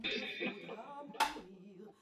angazia juu ya changamoto ya ukosekanaji wa maji